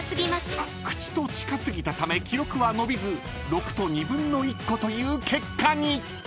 ［口と近過ぎたため記録は伸びず６と２分の１個という結果に］